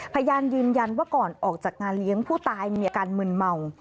พยานยืนยันว่าก่อนออกจากงานเลี้ยงผู้ตายมีอาการมึนเมา